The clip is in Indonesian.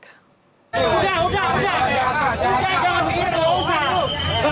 udah udah udah jangan jangan